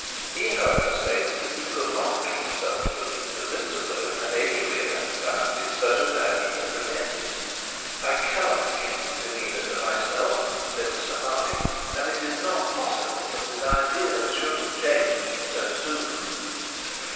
He, however, stated that he could not bring himself to believe that Mr Slope had any real anxiety such as that he had pretended. 'I cannot forget his demeanour to myself,' said Mr Harding, 'and it is not possible that his ideas should have changed so soon.'